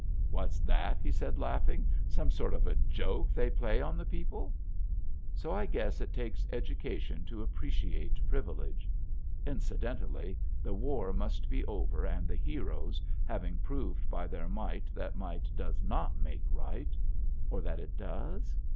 "What's that," he said laughing, "some sort of a joke they play on the people?" So I guess it takes education to appreciate privilege. Incidentally, the war must be over and the heroes, having proved by their might that might does not make right or that it does?